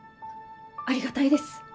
ありがたいです。